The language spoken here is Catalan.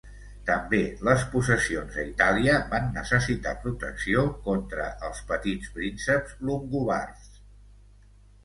També les possessions a Itàlia van necessitar protecció contra els petits prínceps longobards.